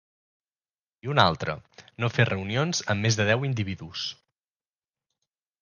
I una altra, no fer reunions amb més de deu individus.